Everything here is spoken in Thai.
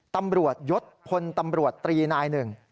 ตำรวจยศพลตำรวจตรีนายหนึ่ง